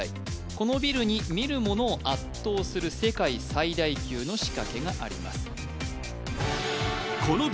このビルに見る者を圧倒する世界最大級の仕掛けがあります